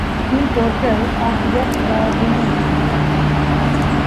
In total, of earth were removed.